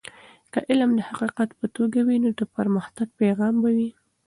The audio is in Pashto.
که علم د حقیقت په توګه وي نو د پرمختګ پیغام به وي.